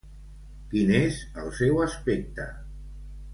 Quin és el seu aspecte?